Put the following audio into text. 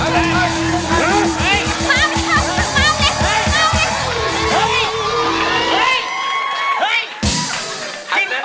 มากเลยมากเลย